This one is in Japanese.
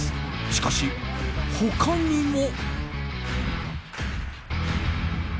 しかし、他にも。